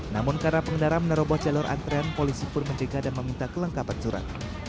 namun karena pengendara meneroboh jalur antrean polisi pun menjaga dan meminta kelengkapan surat